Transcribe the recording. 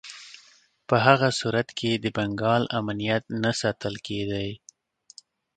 په هغه صورت کې د بنګال امنیت نه ساتل کېدی.